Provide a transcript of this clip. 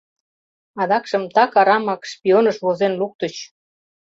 Адакшым так арамак шпионыш возен луктыч.